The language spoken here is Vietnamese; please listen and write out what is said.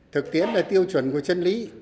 thực tiễn là tiêu chuẩn của chân lý